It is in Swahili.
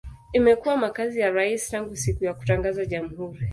Imekuwa makazi ya rais tangu siku ya kutangaza jamhuri.